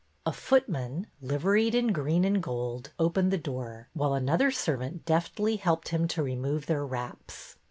A footman, liveried in green and gold, opened the door, while another servant deftly helped him to remove their wraps.